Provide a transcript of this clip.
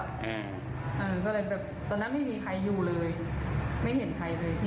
ก็เลยแบบตอนนั้นไม่มีใครอยู่เลยไม่เห็นใครเลยพี่